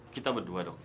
kita berdua dok